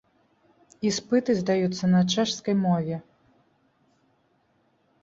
Іспыты здаюцца на чэшскай мове.